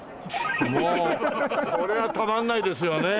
もうこれはたまんないですよね。